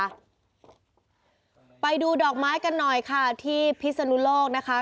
ไปดูดอกไม้กันหน่อยค่ะที่พิศนุโลกนะคะ